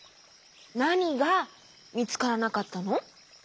なにがみつからなかったの？